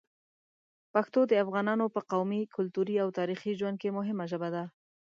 پښتو د افغانانو په قومي، کلتوري او تاریخي ژوند کې مهمه ژبه ده.